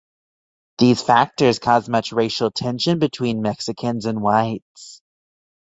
These factors caused much racial tension between Mexicans and whites.